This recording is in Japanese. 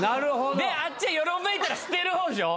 であっちはよろめいたら捨てる方でしょ。